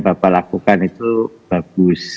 bapak lakukan itu bagus